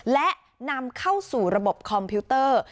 และนำเข้าสู่ระบบคอมพิวเตอร์